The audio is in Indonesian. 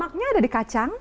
lemaknya ada di kacang